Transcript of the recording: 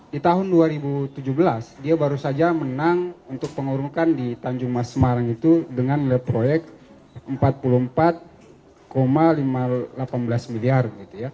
di tahun dua ribu tujuh belas dia baru saja menang untuk pengurukan di tanjung mas semarang itu dengan proyek empat puluh empat lima belas miliar